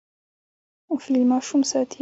فیل ماشوم ساتي.